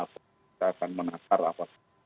kita akan menangkar apa